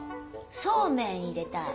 そうめん入れたい。